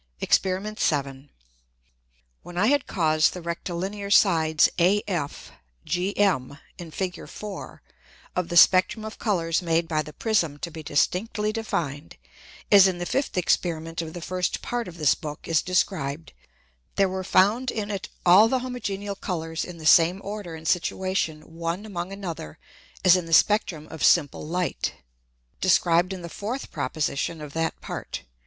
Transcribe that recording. [J] Exper. 7. When I had caused the Rectilinear Sides AF, GM, [in Fig. 4.] of the Spectrum of Colours made by the Prism to be distinctly defined, as in the fifth Experiment of the first Part of this Book is described, there were found in it all the homogeneal Colours in the same Order and Situation one among another as in the Spectrum of simple Light, described in the fourth Proposition of that Part.